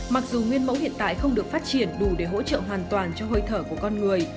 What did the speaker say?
mặc dù nguyên mẫu hiện tại không được phát triển đủ để hỗ trợ hoàn toàn cho hơi thở của con người